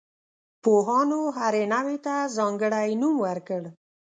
پوهانو هرې نوعې ته ځانګړی نوم ورکړ.